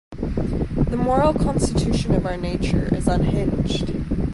The moral constitution of our nature is unhinged.